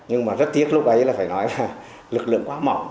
nhưng mà rất tiếc lúc ấy là phải nói là lực lượng quá mỏng